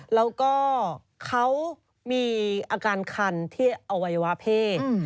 แล้วก็เขามีอาการคันที่อวัยวะเพศ